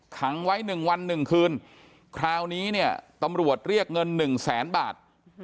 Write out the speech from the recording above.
ขังไว้๑วัน๑คืนคราวนี้เนี่ยตำรวจเรียกเงิน๑แสนบาท